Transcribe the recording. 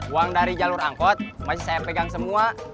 uang dari jalur angkot masih saya pegang semua